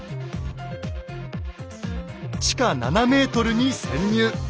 地下７ｍに潜入。